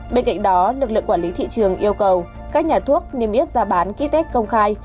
bên cạnh đó lực lượng quản lý thị trường yêu cầu các nhà thuốc niêm yết giá bán ký test công khai